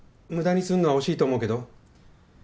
無駄にすんのは惜しいと思うけど？